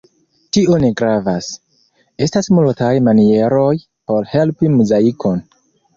Tio ne gravas: estas multaj manieroj por helpi Muzaikon.